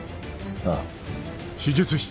ああ。